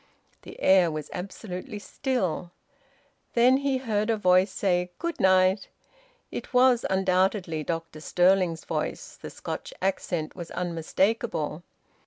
The air was absolutely still. Then he heard a voice say, "Good night." It was undoubtedly Dr Stirling's voice. The Scotch accent was unmistakable.